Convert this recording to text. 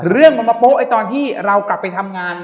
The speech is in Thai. เรื่องมันมาโป๊ะไอตอนที่เรากลับไปทำงาน